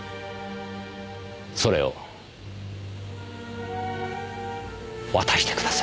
それを渡してください。